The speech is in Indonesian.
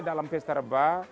dalam pesta reba